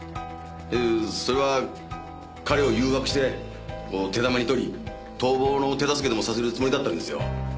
えそれは彼を誘惑して手玉に取り逃亡の手助けでもさせるつもりだったんですよ。